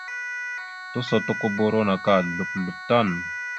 Tusotokoboro naka slop slop tan.